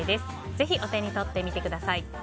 ぜひお手に取ってみてください。